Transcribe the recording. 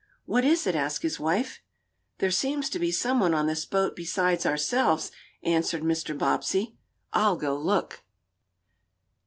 "What is it?" asked his wife. "There seems to be some one on this boat beside ourselves," answered Mr. Bobbsey. "I'll go look."